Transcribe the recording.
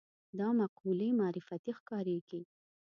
دا مقولې معرفتي ښکارېږي